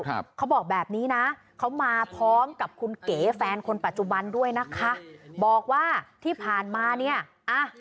เขาบอกแบบนี้นะเขามาพร้อมกับคุณเก๋แฟนคนปัจจุบันด้วยนะคะบอกว่าที่ผ่านมาเนี้ยอ่ะ